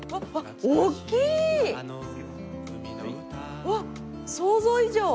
うわっ想像以上。